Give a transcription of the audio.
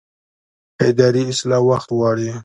اداري اصلاح وخت غواړي